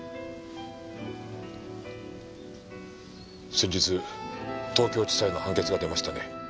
先日東京地裁の判決が出ましたね